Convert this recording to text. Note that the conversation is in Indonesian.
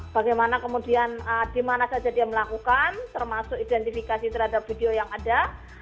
bagaimana kemudian di mana saja dia melakukan termasuk identifikasi terhadap video yang ada